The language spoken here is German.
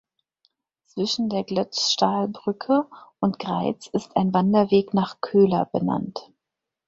Zwischen der Göltzschtalbrücke und Greiz ist ein Wanderweg nach Köhler benannt.